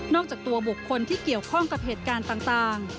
จากตัวบุคคลที่เกี่ยวข้องกับเหตุการณ์ต่าง